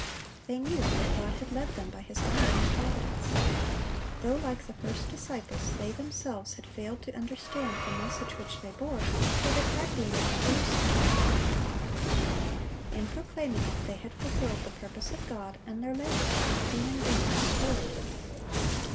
They knew that God had led them by His unerring providence. Though, like the first disciples, they themselves had failed to understand the message which they bore, yet it had been in every respect correct. In proclaiming it they had fulfilled the purpose of God, and their labor had not been in vain in the Lord.